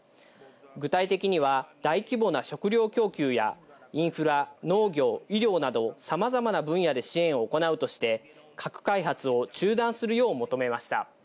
具体的には大規模な食糧供給や、インフラ、農業、医療など様々な分野で支援を行うとして核開発を中断するよう求めました。